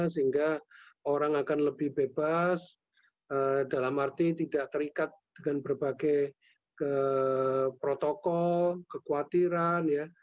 sehingga orang akan lebih bebas dalam arti tidak terikat dengan berbagai protokol kekhawatiran ya